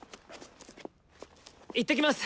行ってきます！